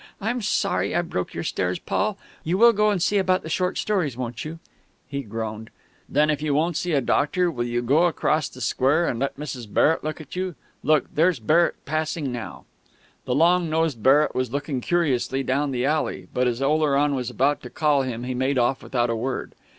"I'm sorry I broke your stairs, Paul.... You will go and see about the short stories, won't you?" He groaned. "Then if you won't see a doctor, will you go across the square and let Mrs. Barrett look at you? Look, there's Barrett passing now " The long nosed Barrett was looking curiously down the alley, but as Oleron was about to call him he made off without a word.